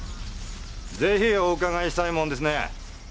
ぜひお伺いしたいもんですねえ。